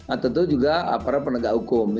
atau tentu juga aparat penegak hukum